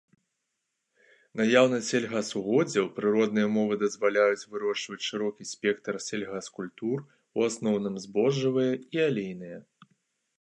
Наяўнасць сельгасугоддзяў, прыродныя ўмовы дазваляюць вырошчваць шырокі спектр сельгаскультур, у асноўным збожжавыя і алейныя.